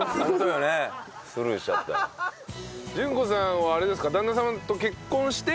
純子さんはあれですか？